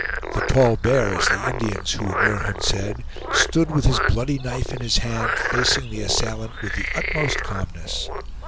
The Tall Bear, as the Indians who were near him said, stood with his bloody knife in his hand, facing the assailant with the utmost calmness.